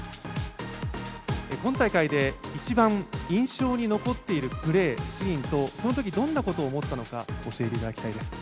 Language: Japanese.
今大会で一番印象に残っているプレー、シーンと、そのときどんなことを思ったのか、教えていただきたいです。